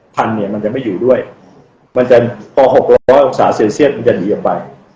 เนี่ยมันจะไม่อยู่ด้วยมันจะพอ๖๐๐องศาเซลเซียสมันจะหนีออกไป